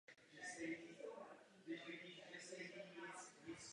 Nad hlavním portálem je jedna z nejvýznamnějších sbírek pozdně gotických soch v Evropě.